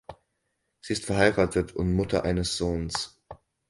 Sie ist verheiratet und Mutter eines Sohns.